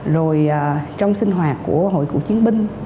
rồi trong sinh hoạt của hội cụ chiến binh